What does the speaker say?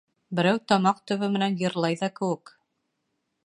Берәү тамаҡ төбө менән йырлай ҙа кеүек.